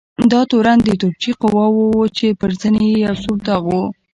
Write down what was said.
دا تورن د توپچي قواوو و چې پر زنې یې یو سور داغ و.